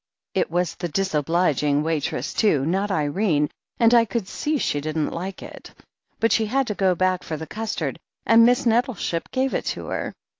It was the disobliging waitress, too, not Irene, and I could see she didn't like it. But she had to go back for the custard, and Miss Nettleship gave it to her.